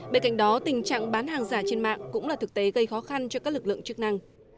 bên cạnh đó tình trạng bán hàng giả trên mạng cũng là thực tế gây khó khăn cho các lực lượng chức năng